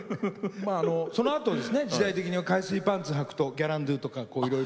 まあそのあとですね時代的に海水パンツはくと「ギャランドゥ」とかこういろいろ。